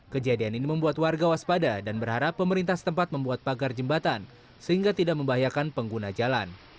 kejadian ini membuat warga waspada dan berharap pemerintah setempat membuat pagar jembatan sehingga tidak membahayakan pengguna jalan